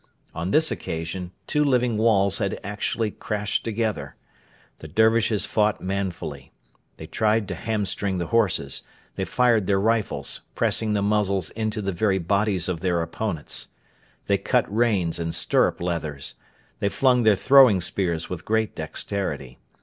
On this occasion two living walls had actually crashed together. The Dervishes fought manfully. They tried to hamstring the horses, They fired their rifles, pressing the muzzles into the very bodies of their opponents. They cut reins and stirrup leathers. They flung their throwing spears with great dexterity.